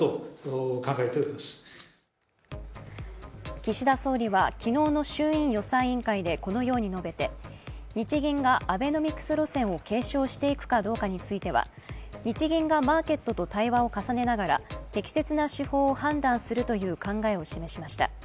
岸田総理は昨日の衆院予算委員会でこのように述べて日銀がアベノミクス路線を継承していくかどうかについては日銀がマーケットと対話を重ねながら適切な手法を判断するという考えを示しました。